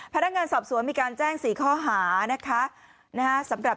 พนักงานสอบสวนมีการแจ้งสี่ข้อหานะคะ